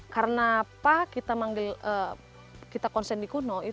kenapa kita konsen di kuno